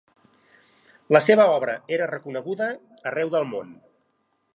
La seva obra era reconeguda arreu del món.